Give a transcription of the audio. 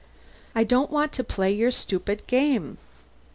"I don't want to play your stupid game!"